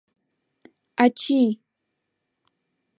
— Ачий!..